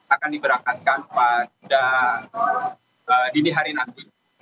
akan diberangkatkan pada dini hari nanti